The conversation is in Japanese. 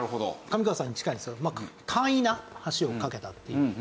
上川さんに近いんですけどまあ簡易な橋を架けたっていう。